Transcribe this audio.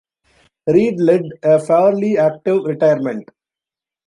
Reed led a fairly active retirement.